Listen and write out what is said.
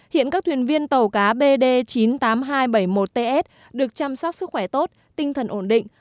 hiện các thuyền viên tàu cá bd chín mươi tám nghìn hai trăm bảy mươi một ts được chăm sóc sức khỏe tốt tinh thần ổn định